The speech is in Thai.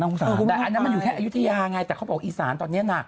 แต่อันนั้นมันอยู่แค่อายุทยาไงแต่เขาบอกอีสานตอนนี้หนัก